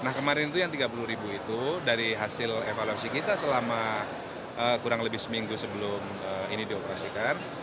nah kemarin itu yang tiga puluh ribu itu dari hasil evaluasi kita selama kurang lebih seminggu sebelum ini dioperasikan